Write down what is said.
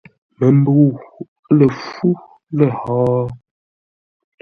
Məmbəu lə fú lə̂ hó?̂.